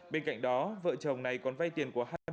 bên cạnh đó vợ chồng này còn vay tiền của